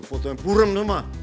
itu foto yang buram nih mah